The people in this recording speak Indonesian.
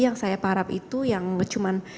yang saya paraf itu yang cuman